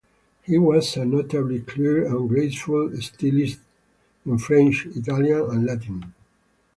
He was a notably clear and graceful stylist in French, Italian and Latin.